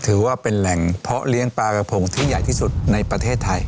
ถือว่าเป็นแหล่งเพาะเลี้ยงปลากระพงที่ใหญ่ที่สุดในประเทศไทย